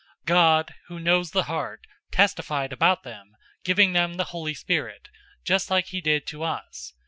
015:008 God, who knows the heart, testified about them, giving them the Holy Spirit, just like he did to us.